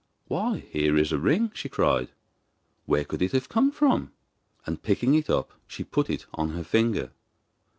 'Why, here is a ring!' she cried, 'where could it have come from?' And picking it up she put it on her finger.